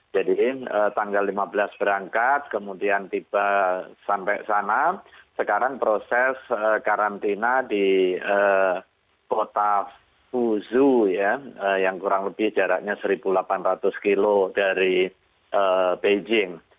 jadi tanggal lima belas berangkat kemudian tiba sampai sana sekarang proses karantina di kota fuzhou yang kurang lebih jaraknya satu delapan ratus km dari beijing